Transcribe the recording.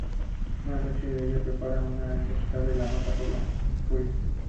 Una noche ella le prepara una emboscada y le mata por la injuria.